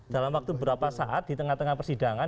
dalam waktu berapa saat di tengah tengah persidangan